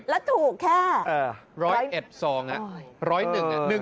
แล้วถูกแค่